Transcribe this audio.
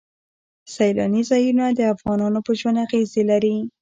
سیلاني ځایونه د افغانانو په ژوند اغېزې لري.